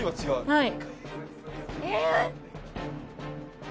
はい。